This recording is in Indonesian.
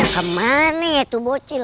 kemana ya tuh bocil